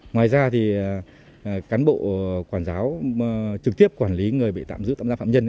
ngoài ra thì cán bộ quản giáo trực tiếp quản lý người bị tạm giam phạm nhân